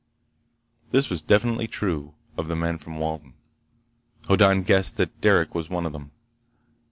This was definitely true of the men from Walden. Hoddan guessed that Derec was one of them.